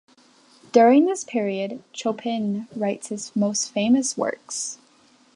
During this period, Chopin writes his most famous works.